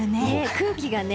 空気がね。